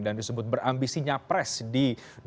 dan disebut berambisinya pres di dua ribu dua puluh empat